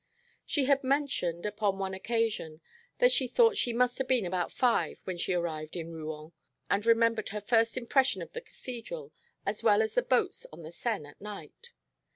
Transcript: She had mentioned upon one occasion that she thought she must have been about five when she arrived in Rouen, and remembered her first impression of the Cathedral as well as the boats on the Seine at night.